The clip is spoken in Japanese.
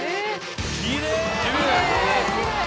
きれい！